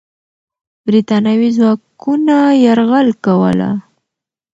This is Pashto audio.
برتانوي ځواکونه یرغل کوله.